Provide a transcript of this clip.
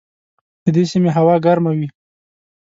د دې سیمې هوا ګرمه وي.